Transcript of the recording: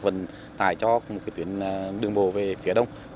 và tài cho một cái tuyến đường bộ về phía đông